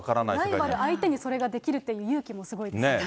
ライバル相手にそれができるっていう勇気もすごいですよね。